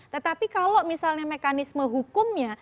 tetapi kalau misalnya mekanisme hukumnya